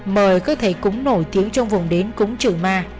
mời các thầy cúng nổi tiếng trong vùng đến cúng trừ ma